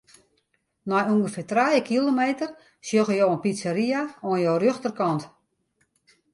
Nei ûngefear trije kilometer sjogge jo in pizzeria oan jo rjochterkant.